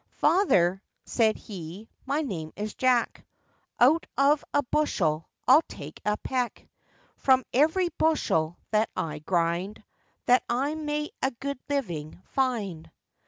'Father,' said he, 'my name is Jack; Out of a bushel I'll take a peck, From every bushel that I grind, That I may a good living find.